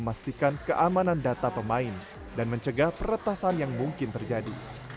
memastikan keamanan data pemain dan mencegah peretasan yang mungkin terjadi